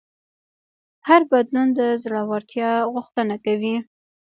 هر بدلون د زړهورتیا غوښتنه کوي.